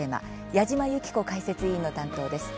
矢島ゆき子解説委員の担当です。